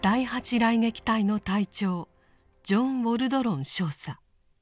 雷撃隊の隊長ジョン・ウォルドロン少佐４１歳。